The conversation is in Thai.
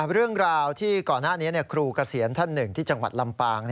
เรื่องราวที่ก่อนหน้านี้ครูเกษียณท่านหนึ่งที่จังหวัดลำปาง